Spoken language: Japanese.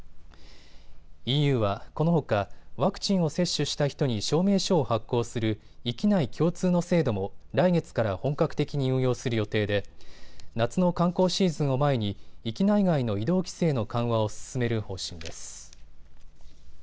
ＥＵはこのほかワクチンを接種した人に証明書を発行する域内共通の制度も来月から本格的に運用する予定で夏の観光シーズンを前に域内外の移動規制の緩和を進める方針です。